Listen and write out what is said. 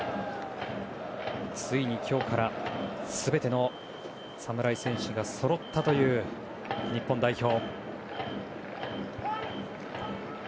ついに今日から全ての侍戦士がそろったという日本代表。